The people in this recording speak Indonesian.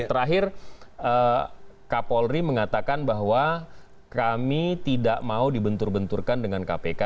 terakhir kapolri mengatakan bahwa kami tidak mau dibentur benturkan dengan kpk